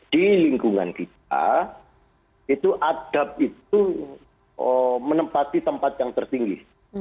di lingkungan kita itu adab itu menempati tempat yang tertinggi